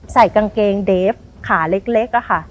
ใส่กางเกงเดฟขาเล็กอะค่ะ